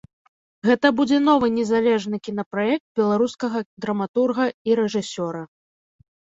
Гэта будзе новы незалежны кінапраект беларускага драматурга і рэжысёра.